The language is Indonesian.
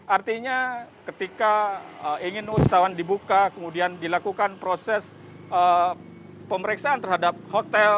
artinya ketika ingin usahawan dibuka kemudian dilakukan proses pemeriksaan terhadap hotel